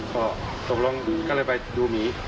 ก็เลยไปดูหมี